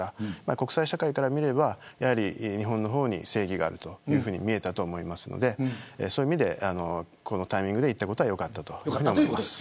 国際社会から見れば日本の方に正義があると見えたと思いますのでそういう意味でこのタイミングで行ったことは良かったと思います。